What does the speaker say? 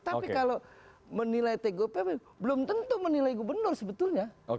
tapi kalau menilai tgupp belum tentu menilai gubernur sebetulnya